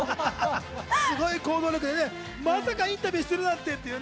すごい行動力でねまさかインタビューするなんて。